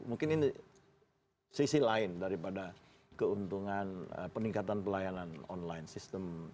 mungkin ini sisi lain daripada keuntungan peningkatan pelayanan online system